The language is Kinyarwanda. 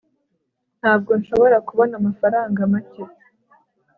Ntabwo nshobora kubona amafaranga make